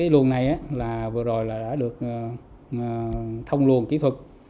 luồng này vừa rồi đã được thông luồng kỹ thuật